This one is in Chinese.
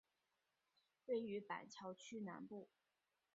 位于板桥区南部。